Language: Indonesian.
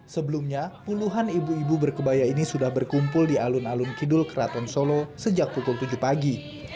sebelumnya puluhan ibu ibu berkebaya ini sudah berkumpul di alun alun kidul keraton solo sejak pukul tujuh pagi